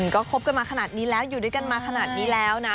ก็คบกันมาขนาดนี้แล้วอยู่ด้วยกันมาขนาดนี้แล้วนะ